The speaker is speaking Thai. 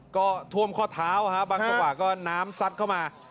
ก็ท่วมข้อเท้าบางจังหวะก็น้ำซัดเข้ามา